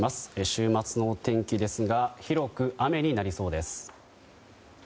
週末のお天気ですが広く雨になりそうです。